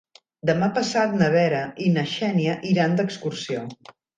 Demà passat na Vera i na Xènia iran d'excursió.